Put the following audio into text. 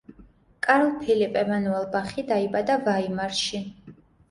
კარლ ფილიპ ემანუელ ბახი დაიბადა ვაიმარში.